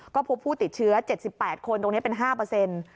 ก็พบผู้ติดเชื้อ๗๘คนตรงนี้เป็น๕